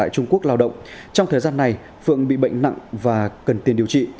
trong thời gian này phượng bị bệnh nặng và cần tiền điều trị